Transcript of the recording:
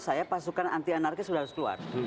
saya pasukan anti anarkis sudah harus keluar